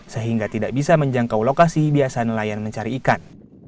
sehingga tidak bisa menjangkau lokasi biasa nelayan mencari ikan